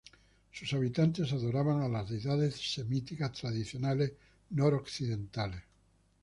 Sus habitantes adoraban a las deidades semíticas tradicionales noroccidentales.